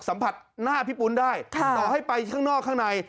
สัมผัสหน้าพี่ปุ้นได้ต่อให้ไปข้างนอกข้างใน